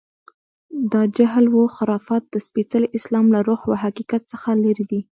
دا جهل و خرافات د سپېڅلي اسلام له روح و حقیقت څخه لرې دي.